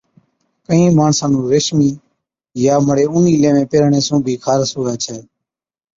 ڪهِين ماڻسا نُُون ريشمِي يان بڙي اُونِي ليوين پيهرڻي سُون بِي خارس هُوَي ڇَي۔